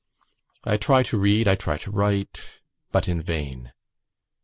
I try to read, I try to write; but in vain.